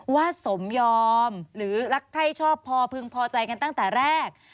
สมยอมหรือรักไข้ชอบพอพึงพอใจกันตั้งแต่แรก